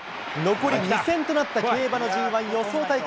残り２戦となった競馬のＧ１予想対決。